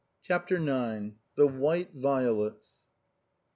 CHAPTER IX. THE WHITE VIOLETS.